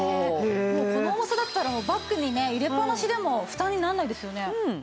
もうこの重さだったらバッグにね入れっぱなしでも負担にならないですよね。